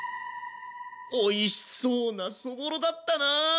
おいしそうなそぼろだったな。